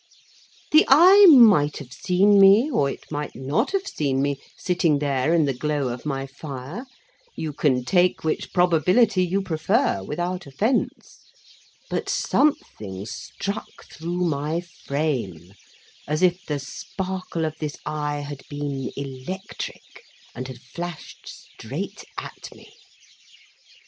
The eye might have seen me, or it might not have seen me, sitting there in the glow of my fire—you can take which probability you prefer, without offence—but something struck through my frame, as if the sparkle of this eye had been electric, and had flashed straight at me.